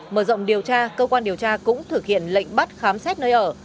mở rộng điều tra cơ quan điều tra cũng thực hiện lệnh bắt khám xét nơi ở